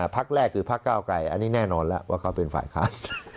พักแรกคือพักเก้าไกรอันนี้แน่นอนแล้วว่าเขาเป็นฝ่ายค้าน